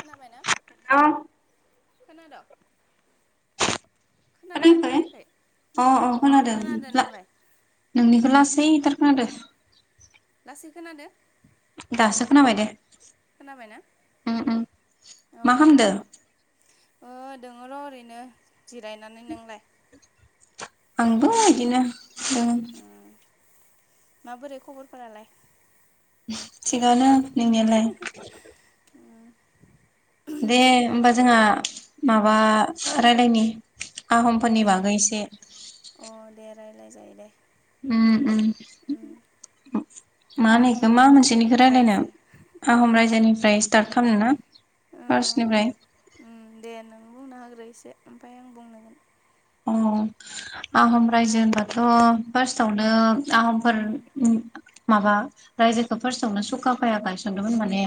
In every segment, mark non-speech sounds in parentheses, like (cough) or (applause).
खोनाबाय ना? औ खोनादों'। अ अ खोनादों ला नोंनिखौ लासै (unintelligible) (unintelligible) सै खोनादों दासो खोनाबाय दे खोनाबायना उम उम औ मा खालामदो ओ दोङो र' ओरैनो जिरायनानै नोंलाय? आंबो बिदिनो दङ। उम माबोरै खबरफोरालाय? इस थिगानो नोनियालाय दे होमबा जोंहा अ माबा रायलायनि आहमफोरनि दे बागै एसे अ दे रायलाय जायो दे उ उ उम आहम मानैखौ मा मोनसेनिखौ रायलायनो रायजो आहम रायजोनि स्टार्ट खालामनो ना ओ फार्स्टनिफ्राय। से ओमफाय आं बुंनांगोन। अ आहम रायजो होनबाथ' फार्स्टआवनो। आहमफोर उम ओ माबा रायजोखौ फार्स्टआवनो सुखाफाया गायसनदोंमोन माने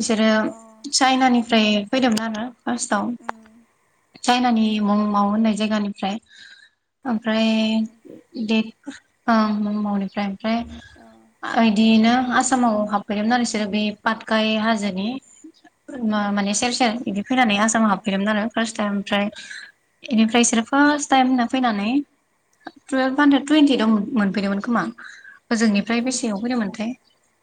बिसोरो अ चाइनानिफ्राय फैदोंमोन आरो फार्स्टाव उम चाइनानि मुं माउ होननाय जायगानिफ्राय ओमफ्राय देट मावनिफ्राय ओमफ्राय अ बिदियैनो (unintelligible) आसामाव हाबफैदोंमोन बेसोरो बे पाटखाय हाजोनि माने सेर सेर बिदि। फैनानै अ आसामाव हाबफैदोंमोन आरो फार्स्ट उम टाइम उम ओमफ्राय बेनिफ्राय नंगो बिसोर टाइम होनना फैनानै टुवेल्भ हानद्रेद टुवेन्टिओइट आव मोनफैदोंमोन खोमा ओजोंनिफ्राय टुवेल्भ बेसेयाव हान्ड्रेड फैदोंमो नथाय।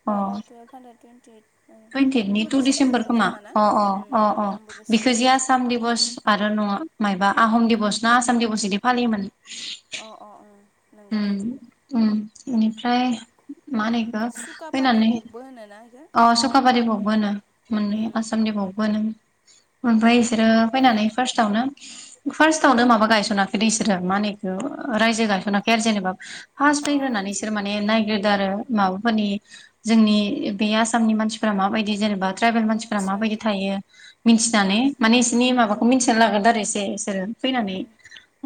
अ अ टुवेल्भ हान्द्रेद टुवेन्टि ओइट ओ टुइन्टिनि टु डिसेम्बर डिसेम्बरमोन मोन खोमा ना उम आंबो गोसोआव बिखो दं जि एसे आसाम दिबस आरो नङ मायाबा आहम दिबस ना आसाम दिबस बिदि फालियोमोन अ अ अ नंगौ दे। उम उम बेनिफ्राय मा होनोएखौ सुकापा फैनानै दिबकबो होनोना बेखौ अ सुकाबा दिबख बो‌ होनो मोननै आसाम दिबख बो होनो ओमफ्राय। बिसोरो फैनानै फार्स्टआवनो फार्स्टावनो माबा गायस'नाखै दै इसोरो मा होनो इखौ रायजो गायस'नाखै आरो जेनेबा फार्सट अ फैग्रोनानै इसोर माने नायग्रोदो आरो माबाफोरनि जोंनि बे आसामनि मानसिफोरा माबायदि जेनेबा ट्राइबेल मानसिफोरा आदसा माबायदि थायो मिथिनानै अ माने इसनि माबाखौ मिथिना लाग्रोदो आरो इसे इसे फैनानै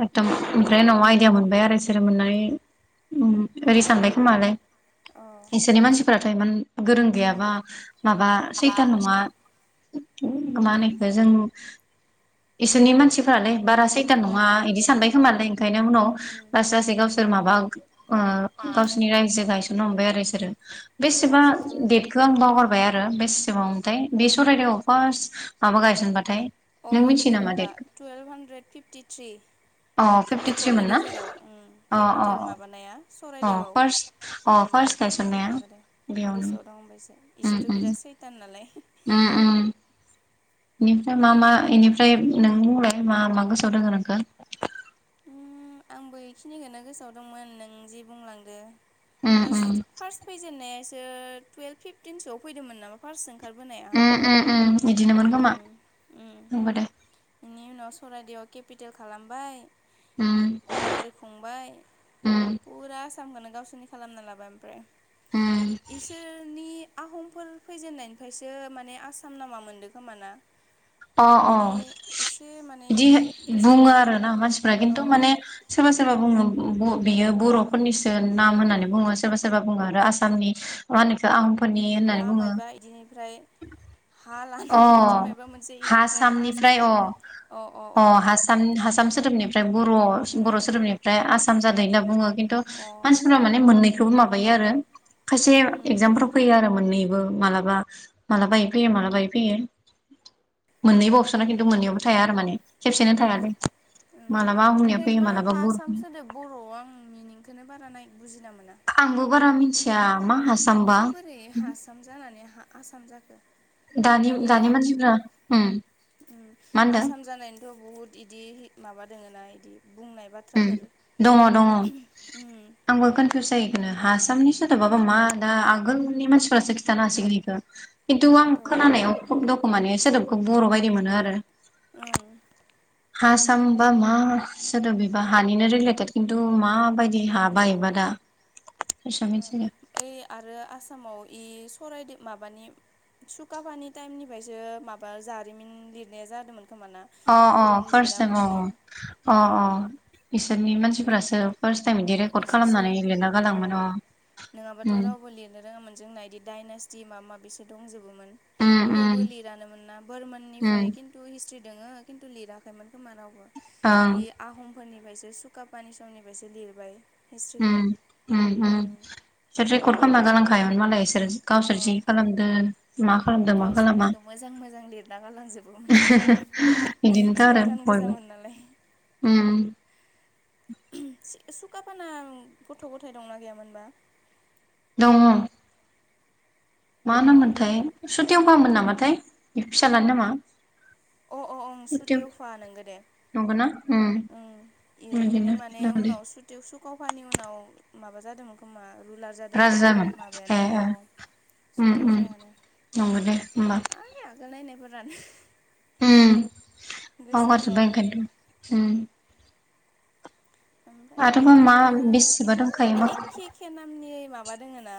एखदम एमफ्राय उनाव बिुदिया मोनबाय आरो बिसोरो मोननानै ओरै सानबाय खोमालाय बिसोरनि मानसिफोराथ' इमान गोरों गैयाबा माबा सैथान नङा उम माहोनो इखो जों इसोरनि मानसिफोरालै बारा सैथान अ नङा अ इदि सानबाय खोमालै ओंखायनो उनाव उम लासै लासै गावसोर सोर माबां ओ गावसोरनि रायजो गायसननो हमबाय आरो इसोरो बेसेबा गावसोरथ' डेटखौ उम आं बावगारबाय आरो बेसेबांथाय बे सररायदेआव फार्स्ट माबा गायसनबाथाय अ नों मिथियो इयो नामा माबा डेटखौ टुवेल्भ हान्ड्रेड फिफटिथ्रि अ फिफ्टिफरनि फिफ्टिथ्रिमोन ना गेजेराव उम अ अ केपिटेल माबानाया अ सररायदेवआव फार्स्ट अ उम फार्स्ट गनायसननाया बेयावनो दंबायसो उम इसोरथ' उम बिराद सैथान नालाय उम - उम बेनिफ्राय मा मा बेनिफ्राय नोंनि मलाय मा - मा गोसोआव दोङो नोंखौ उम आंबो इखिनिखौनो गोसोआव दंमोन नों जि बुंलांदो उम फास उम फार्स्ट फैजेननायासो टुयेल्भ, फिफ्टिनसोआव फैदोंमोन नामा फार्स्ट ओंखार ओंखारबोनाया उम उम उम बिदिनो उम मोन खोमा उम उम नोंगौ दे बेनि उनाव सराइदेव केपिटेल खालामबाय उम रायजो खुंबाय उम फुरा आसामखौनो गावसोरनि खालामना लाबाय ओमफ्राय उम इसोरनि आहमफोर फैजेननायनिफ्रायसो माने आसाम नामा मोनदों खोमा ना अ अ बिदि एसे माने बिदि गोसोआव दङ बिदिनोथ' माने सोरबा सोरबा बुङो ब बियो बर'फोरनिसो नाम होननानै बुङो सोरबा सोरबा बुङो आरो आसामनि मा होनो इखो आहम अमा मायबा इदिनिफ्राय (unintelligible) हा अ लानाय बिदि माबा मोनसे बेनिफ्राय आसाम हासामनिफ्राय अ अ हासाम - हासाम सोदोबनिफ्राय' बर' सोदोमनिफ्राय आसाम जादों होनना बुङो खिन्थु अ उम ओं मानसिफोरा माने मोननैखौबो माबायो आरो खायसे एगजामफ्राव फैयो आरो मोननैबो मालाबा- मालाबाायो फैयो मालाबायो फैयो मोननैबो अपसना खिन्थु मोननैयावबो थाया आरो माने खेबसेनो ओं थायालै मालाबा आहमिया ओमफ्राय फैयो मा मालाबा हासाम बर'नि सोदोब बर'आव आं मिनिंखौनो बारा नाय बुजिना मोना आंबो बारा मिन्थिया माबोरै हासाम जानानै हा आसाम जाखो दानि- इनिथ' दानि मानसिफोरा उम मा होनदों आसाम जानायनिथ' बहुद इदि माबा दोङ ना इदि बुंनाय उम बाथ्राफोर दङ दङ उम आंबो कनफिउस जायो इखोनो हासामनि सोदोबाबा मा दा आगोलनि मानसिफोरासो खिथानो हासिगोन इखो खिन्थु आं ओंखायनोथ' खोनानायाव खबदखो माने सोदोबखौ बर' बायदि मोनो आरो ओं हासाम बा मा सोदोबबिबा हानिनो रिलटेड किन्थु मा माबायदि हा ओं बा इयोदा ओइ आरो आसामाव इ सरायदेव माबानि सुकफानि टाइमनिफ्रायसो माबा जारिमिन लिरनाया जादोंमोन खोमाना अ -अ बुरनजि फार्स्ट ना टाइम मा अ होनो -अ- अ बिसोरनि उम मानसिफोरासो फार्स्ट टाइम बिदि अ रेकर्ड इसोरसो खालामनानै लिरना गालाङोमोन अ नङाबाथ' उम रावबो लिरनो रोङामोन जोंना बिदि डाइनास्टि माबा माबि बिसे दंजोबोमोन उम थेवबो उम लिरानोन ना बोरमोननिफ्राय उम खिन्थु हिस्ट्रि दोङो खिन्थु लिराखैमोनखोमा रावबो ओं इ आहमफोरनिफ्रायसो सोलि सुकाफानि समनिफ्रायसो लिरबाय हिस्ट्रिखौ उम उम उम बिसोर रेकर्ड खालामना गालांखायोमोन मालाय एसो बिसोर गावसोर जि अ खालामदों मा खालादों मा खालामा गावसोरनिखौ मोजां मोजां लिरना गालांजोबोमोन बिदिनोथ' आरो सैथान बयबो गोजामोन नालाय उम सु सुखाफाना गथ' गथाय दंना गैयामोनबा दङ मा हो अ नाममोनथाय सुतेवबा मोन नामाथाय इ फिसालानि नामा अ अ अ सुतिव सुथेवफा नोंगो दे नंगौना उम ओं इ इनो बिदिनो माने दं दे उनाव सुतेव सुखावफानि उनाव माबा जादोंमोन खोमा रुलार जादोंमोन खोमा माबायानो अ ओम ओम सुतेवफायानो नंगोदे ओमबा ओइ आगोल (unintelligible) ओम गोसोआव बावगारजोबबाय थायाना ओंखायनोथ ओम आरोबा ओमफ्राय मा बिदिनो बेसेबा इमान दंखायोमा एखे एखे नामनि माबा दोङो ना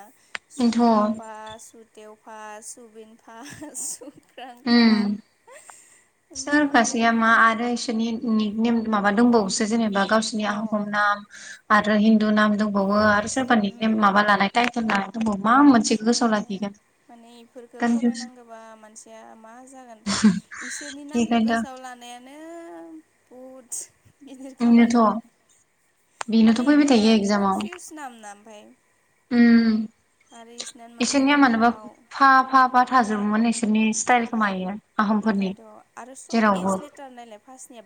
सुकाफा सुथेवफा सुबिनफा सुका रांफा उम सोर खासेया मा आरो इसोर निक नेम माबा दंबावोसो जेनेबा गावसोरनि अ आहम नाम आरो हिन्दु नाम दंबावो आरो सोरबा निक नेम माबा लानाय टाइटेल लानाय दं से माने इफोरखो कनफिउस फरायनांगोबा मानसिया मा जागोन ओमफ्राय इसोरनि नामखौ बेखायनोथ' गोसोआव लानायानो बहुद गिदिर बेनोथ' खामानि बेनोथ' माने फैबाय थायो इमान एगजामाव कनफियुस नाम ना ओमफाय उम आरो इसनान मोननै इसोरनिया मोनथाम मानोबा बाव (unintelligible) थाजोबोमोन एसोन ओंखायनोथ आरो सब जेरावबो एस लेटार नायलाय फार्स्टनिया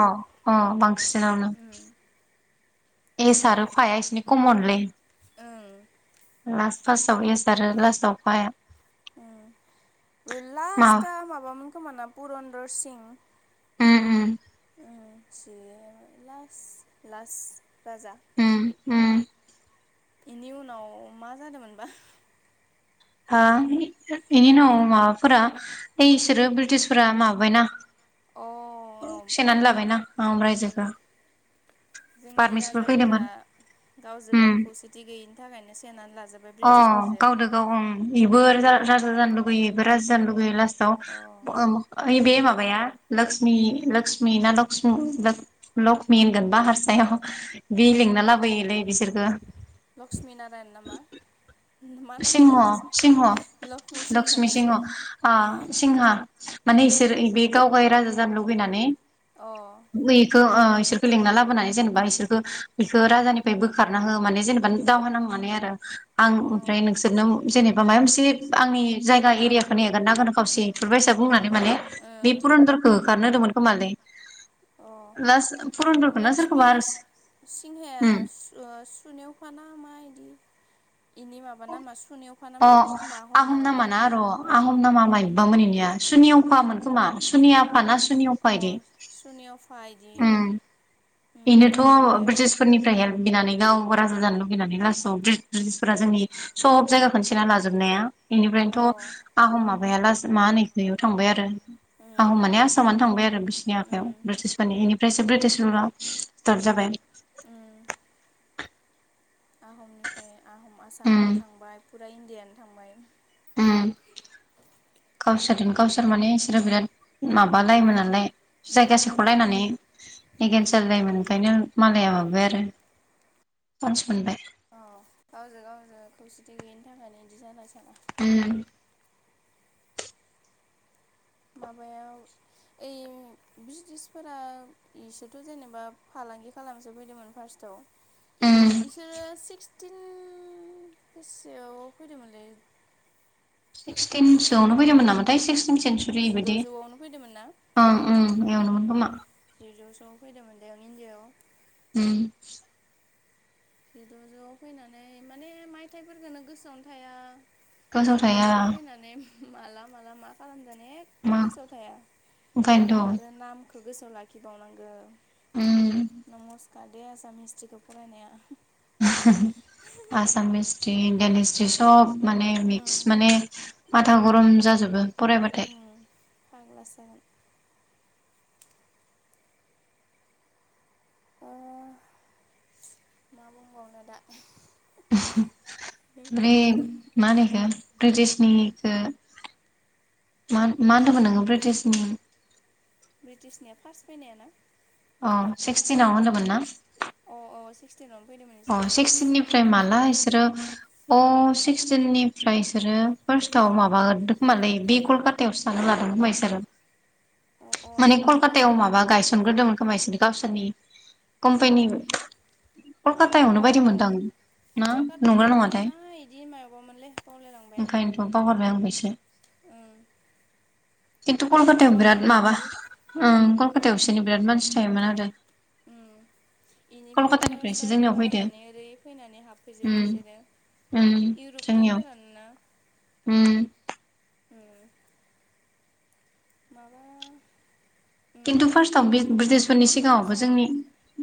अ अ बांसिननावनो उम एस आरो फा या इसिनि खमनलै ओं लास्ट फार्स्टआव इस आरो लास्टआव फा या ओ माबा लास्टआ माबामोन खोमा ना पुरन्दर सिं ओम ओम (unintelligible) लास्ट लास्ट बाजा उम उम इनि उनाव मा जादोमोनबा हा (unintelligible) बेनि उनाव माबाफोरा ओइसोरो ब्रिटिसफोरा माबायना अ सेनानै लाबायना आहम उम रायजोखो जोंनि राजाफोरा गावजों उम गाव खौसेथि गैयिनि थाखायनो स अ गावदो गाव ओं इबो उम राजा जानो लुगैयो बेबो राजा जानो लुगैयो गैयो लास्टआव अ (unintelligible) ओइ बे मा माबाया लोक्समि लोक्समि ना लसक्मि लख-लखमि होनगोनबा हारसायाव बि उम लिंना लाबोयोलै बिसोरखो लक्ष्मि नारायण नामा मा नाममोन सिंह इदि सिंह लक्ष्मि लक्समि ना सिंह आ सिंहा माने इसोर इ बे गावगाय राजा जानो लुबैनानै अ बिसोरखो लिंना लाबोनानै जेनेबा इसोरखो बिखो राजानिफ्राय बोखारना हो माने जेनेबा दावहा नांनानै आरो आं ओम ओमफ्राय ओ नोंसोरनो जेनेबा मायबा मोनसे आंनि जायगा एरियाखोनो हेगारना होगोन खावसे इफोरबायसा बुंनानै माने बे पुरनदरखो होखारनो होदोंमोन खोमालै लास फुरनदरखो ना सोरखोबा लक्ष्मि आरोस सिंहाया सु ओ सुनायावखाना मा इदि इनि माबा नामा सुनेवफा ना मायबामोन अह खोमा आहम नामा ना? नामाना र' आहम नामा माइबा मोन इनिया। सुनि अखामोन खोमा सुनि आफा ना सुनि अफा ओं इदि अ सुनिअफा इदि ओम। उम नंगो बेनोथ' दे ब्रिटिसफोरनिफ्राय हेल्प बिना नै गावबो राजा जानो लुबैनानै लासआव ब्रितिजफोरा जोंनि सब जायगाखोनो सेना लाजोबनाया। अ बेनिफ्रायनोथ' आहम माबाया लास मा होनो इयाव थांबाय आरो। आहम उम माने आसामानो थांबाय आरो बिसोरनि आखायाव उम ब्रिटिसफोरनि इनिफ्रायसो ब्रिटिस (unintelligible) उम आहमनिफ्राय आहम उम आसामाबो थांबाय फुरा इण्डियानो थांबाय उम गावसोरजों गावसोर माने बिसोरो बिराद माबालायोमोन नालाय उम जायगा सेख'लायनानै एगेन्स्ट जालायलायोमोन ओंखायनो मालाया माबाय आरो चान्स मोनबाय। अ गावजों गावजों खौसेथि गैयिनि थाखायनो बिदि जाबाय सान। उम। माबायाव ओइ ब्रिटिसफोरा इसोरथ' जेनेबा फालांगि खालामनोसो फैदोंमोन फार्स्टआव इसोरो सिखस तिन बेसयाव फैदोंमोनलै! सिक्सटिनसोआवनो फैदोंमोन नामाथाय सिक्स सेनसुरि बादि जिद'जौआवनो फैदोंमोन ना ओ ओम एवनो मोन उम खोमा! (unintelligible) ओम। जद' जौ'आव फैनानै माने मायथाइफोरखौनो गोसोआवनो थाया। गोसोआव जिद' थाया जौआव फैनानै माला माला मा खालामदों। जनेख' मा गोसोआव थाया ओंखायनोथ' आरो नामखौ गोसोआव लाखिबावनांगौ। नमस्कार दे आसाम हिस्ट्रिखौ फरायनाया। आसाम हिस्ट्रि इण्डियान हिस्ट्रि सब माने मिक्स उम माने माथा गरम जाजोबो फरायबाथाय। उम फाग्लासो जागोन। ओ मा बुं बावनो दा? ओमफ्राय मा होनो इखो ब्रिटिशनिखौ मा मा होनदोंमोन नोङो ब्रिटिशनि। ब्रिटिशनिया फार्स्ट फैनाया ना? औ सिक्सटिनाव होनदोंमोन ना? अ' औ। अ सिक्सटिननिफ्राय माला बिसोरो अ सिक्सटिननिफ्रायसोरो फार्स्टआव माबादों खोमालै बे कलकातायावसो थानो (unintelligible) अ अ माने नोंगौमोन खोमा दे कलकातायाव माबा गायसनग्रोदोंमोन खोमासोर गावसोरनि अ कम्पानि कलकाताायावनो अ बायदि मोनदों ना कलकाता नंगौ ना नङाथाय! इदि माबामोनलै बावलायलांबाय आं ओंखायनोथ' बावगारबाय आं बे ओं खिन्थु ओइ कलकातायाव बिराद माबा बावफिनजोबोलै ओं कलकातायाव बिसोरनि बिराद मानसि थायोमोन आरो बेनिफ्रायनोथ' कलकातानिफ्रायसो स्टार्टिं जोंनियाव फैदो खालामनानै ओरै फैनानै हाबफैजोब्बाय उम बिसोरो। उम इउरपयान जोंनियाव फ्रानो ना? उम। उम माबा उम खिन्थु फार्स्टआवव ओइ ब्रिटिशफोरनि सिगाङावबो कनफिउसार जोंनि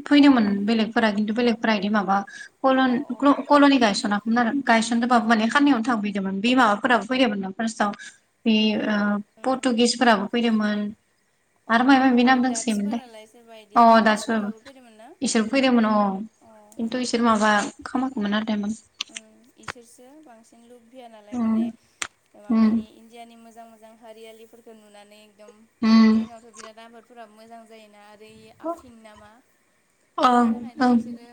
फैदोंमोन। बेलेगफोरा खिन्थु बेलेगफोरा बिदि माबा कलन अ अ कल'नि गायसनाखैमोन आरो उम गायसनदोंबाबो उम मान खानायावनो थां मोन बे माबाफोराबो फैदोंमोन ना फारस्टआव बे उम पर्टुगिसफोराबो फैदोंमोन। अ आरो मायबा आरो नाम दोंसोयो दे डाट्सफोरालाय सोरबा इदि अ दाससिबो फ्रान्सफोराबो फैदोंमोन ना इसोर फैदोंमोन अ। उम खिन्थु इसोर माबा खामखैमोन आरो। ओम इसोरसो बांसिन। फैया नालाय उम माने उम माबानि इण्डियानि मोजां मोजां हारियालिफोरखौ नुनानै एकदम उम जोंनावथ' बिराद आबादफोराबो मोजां जायोना आरो। ओरै आफिन नामा ओं बेफोरनि थाखायनो ओं इसोरो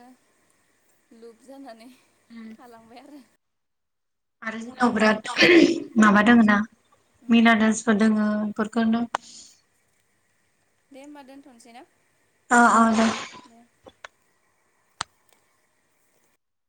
लुपजानानै आरो जोंनाव बिराद माबा दङ ना उम मिनाडासफोर दोङो। फोरखोनो। दे होमबा दोनथ'नोसै ना। ओ ओ दे। दे